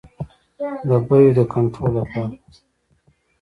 د بیو د کنټرول لپاره.